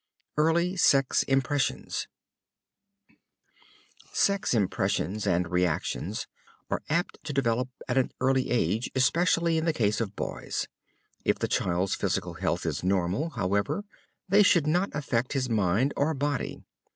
EARLY SEX IMPRESSIONS Sex impressions and reactions are apt to develop at an early age, especially in the case of boys. If the child's physical health is normal, however, they should not affect his mind or body.